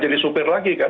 jadi sopir lagi kan